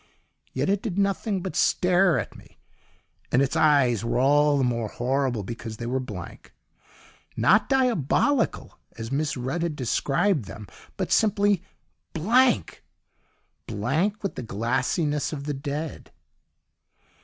Yet it did nothing but stare at me, and its eyes were all the more horrible because they were blank; not diabolical, as Miss Rudd had described them, but simply Blank! Blank with the glassiness of the Dead.